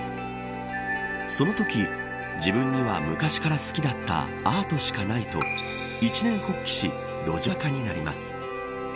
そのとき自分には、昔から好きだったアートしかないと一念発起し路上画家になります。